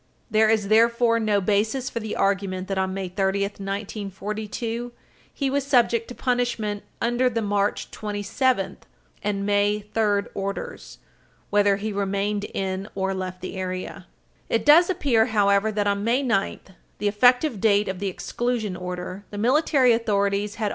There is therefore no basis for the argument that, on May 30, 1942, he was subject to punishment, under the March 27 and May 3 orders, whether he remained in or left the area. It does appear, however, that, on May 9, the effective date of the exclusion order, the military authorities had Page 323 U.